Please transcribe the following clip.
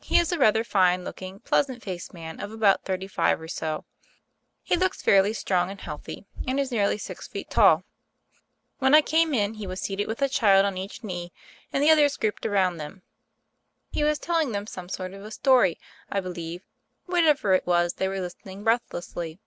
He is a rather fine looking, pleasant faced man of about thirty five or so. He looks fairly strong and healthy ; and is nearly six feet tall. When I came in he was seated with a child on each knee, and the others z8 THE FAIRY OF THE SNOWS 19 grouped around them. He was telling them some sort of a story, I believe ; whatever it was, they were listening breathlessly.